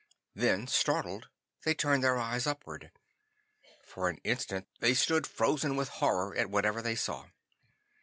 Then startled, they turned their eyes upward. For an instant they stood frozen with horror at whatever they saw.